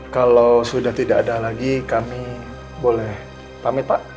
kalau sudah tidak ada lagi kami boleh pamit pak